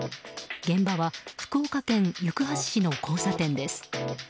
現場は福岡県行橋市の交差点です。